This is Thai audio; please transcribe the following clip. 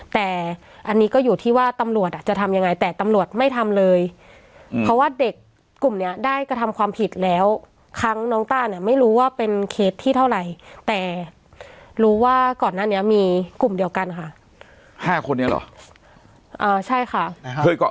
แต่อันนี้ก็อยู่ที่ว่าตำรวจอ่ะจะทำยังไงแต่ตำรวจไม่ทำเลยเพราะว่าเด็กกลุ่มเนี้ยได้กระทำความผิดแล้วครั้งน้องต้าเนี่ยไม่รู้ว่าเป็นเคสที่เท่าไหร่แต่รู้ว่าก่อนหน้านี้มีกลุ่มเดียวกันค่ะห้าคนนี้เหรออ่าใช่ค่ะ